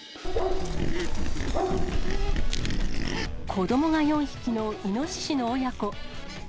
子どもが４匹のイノシシの親子。